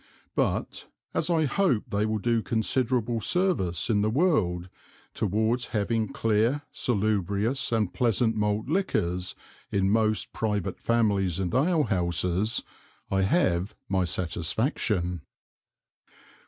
But, as I hope they will do considerable Service in the World towards having clear salubrious and pleasant Malt Liquors in most private Families and Alehouses, I have my Satisfaction.